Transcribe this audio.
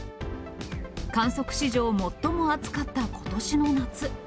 観測史上最も暑かったことしの夏。